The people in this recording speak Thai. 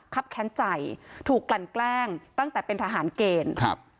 ครับแค้นใจถูกกลั่นแกล้งตั้งแต่เป็นทหารเกณฑ์ครับ